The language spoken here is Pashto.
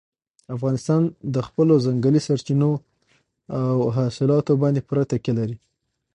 افغانستان د خپلو ځنګلي سرچینو او حاصلاتو باندې پوره تکیه لري.